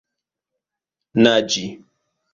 naĝi